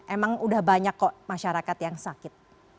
emang udah banyak kok masyarakat yang sakit